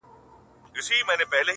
• د گران صفت كومه،